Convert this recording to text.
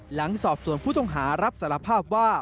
หลังสอบส่วนผู้ต้องหารับสารภาพว่า